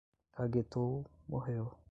Caguetou, morreu